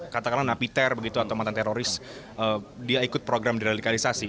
katakanlah napiter begitu atau mantan teroris dia ikut program deradikalisasi